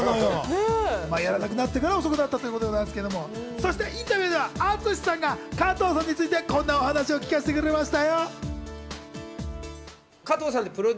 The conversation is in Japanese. やらなくなってから遅くなったってことですけれどもインタビューでは淳さんが加藤さんについて、こんなお話を聞かせてくれました。